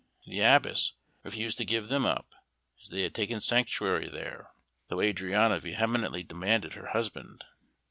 The Abbess refused to give them up, as they had taken sanctuary there, though Adriana vehemently demanded her husband.